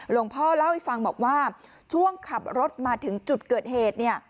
หลวงพ่อเล่าให้ฟังบอกว่าช่วงขับรถมาถึงจุดเกิดเหตุเนี่ย